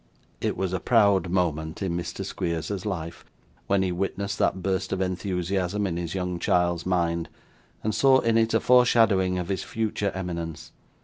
It was a proud moment in Mr. Squeers's life, when he witnessed that burst of enthusiasm in his young child's mind, and saw in it a foreshadowing of his future eminence.